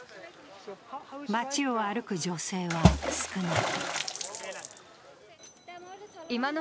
街を歩く女性は少ない。